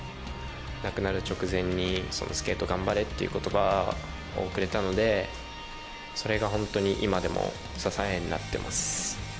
亡くなる直前にスケート頑張れという言葉をくれたのでそれが本当に今でも支えになっています。